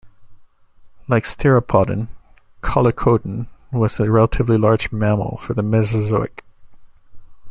Like "Steropodon", "Kollikodon" was a relatively large mammal for the Mesozoic.